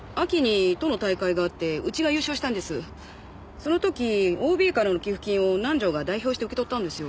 その時ＯＢからの寄付金を南条が代表して受け取ったんですよ。